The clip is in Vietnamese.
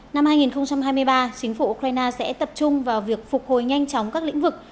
năm hai nghìn hai mươi ba chính phủ ukraine sẽ tập trung vào việc phục hồi nhanh chóng các lĩnh vực